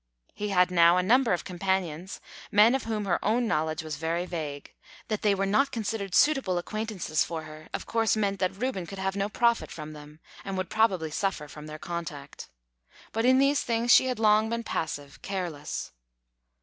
He had now a number of companions, men of whom her own knowledge was very vague; that they were not considered suitable acquaintances for her, of course meant that Reuben could have no profit from them, and would probably suffer from their contact. But in these things she had long been passive, careless.